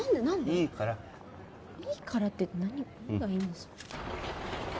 いいから「いいから」って何がいいんです？